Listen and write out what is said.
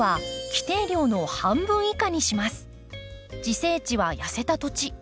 自生地は痩せた土地。